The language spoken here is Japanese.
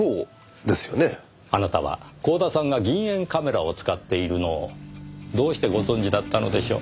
あなたは光田さんが銀塩カメラを使っているのをどうしてご存じだったのでしょう？